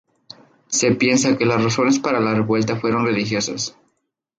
Se piensa que las razones para la revuelta fueron religiosas.